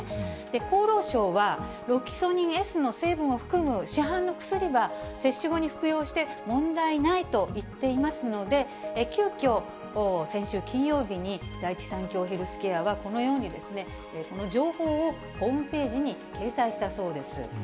厚労省は、ロキソニンＳの成分を含む市販の薬は、接種後に服用して問題ないといっていますので、急きょ、先週金曜日に第一三共ヘルスケアは、このように、情報をホームページに掲載したそうです。